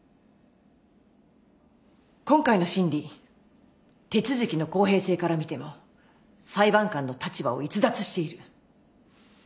今回の審理手続きの公平性からみても裁判官の立場を逸脱している。